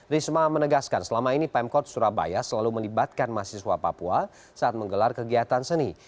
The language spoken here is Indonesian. risma menegaskan selama ini pemkot surabaya selalu melibatkan mahasiswa papua saat menggelar kegiatan seni